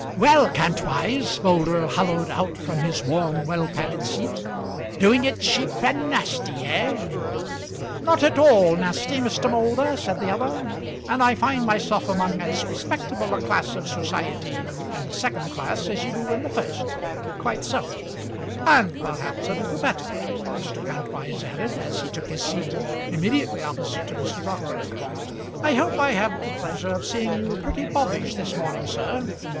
"Well, Kantwise," Moulder holloaed out from his warm, well padded seat, "doing it cheap and nasty, eh?" "Not at all nasty, Mr. Moulder," said the other. "And I find myself among as respectable a class of society in the second class as you do in the first; quite so; and perhaps a little better," Mr. Kantwise added, as he took his seat immediately opposite to Mr. Dockwrath. "I hope I have the pleasure of seeing you pretty bobbish this morning, sir."